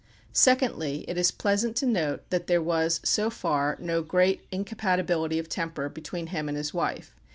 Secondly, it is pleasant to note that there was, so far, no great "incompatibility of temper" between him and his wife.